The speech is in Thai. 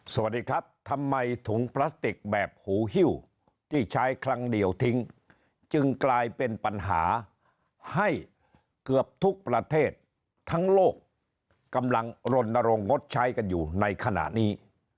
สวัสดีครับทำไมถุงพลาสติกแบบหูหิ้วที่ใช้ครั้งเดียวทิ้งจึงกลายเป็นปัญหาให้เกือบทุกประเทศทั้งโลกกำลังรณรงคดใช้กันอยู่ในขณะนี้